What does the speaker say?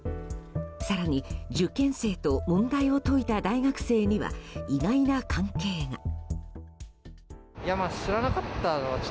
更に受験生と問題を解いた大学生には、意外な関係が。